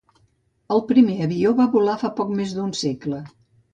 El primer avió va volar fa poc més d'un segle.